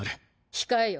控えよ。